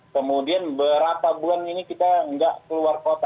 kemudian berapa bulan ini kita tidak keluar kota